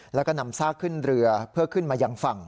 แล้วก็นำซากขึ้นเรือเพื่อขึ้นมายังฝั่ง